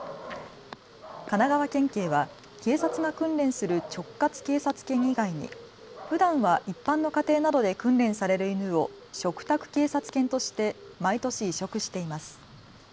神奈川県警は警察が訓練する直轄警察犬以外にふだんは一般の家庭などで訓練される犬を嘱託警察犬として毎年、委嘱しています。